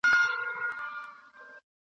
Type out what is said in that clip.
استاد وویل چي دوه قبرونه دي.